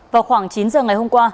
vào khoảng chín giờ ngày hôm qua